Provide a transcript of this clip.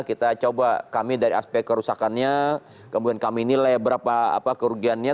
kita coba kami dari aspek kerusakannya kemudian kami nilai berapa kerugiannya